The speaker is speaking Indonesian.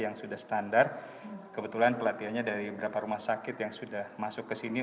yang sudah standar kebetulan pelatihannya dari beberapa rumah sakit yang sudah masuk ke sini